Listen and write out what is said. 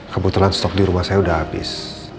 kebetulan stok di rumah saya sudah habis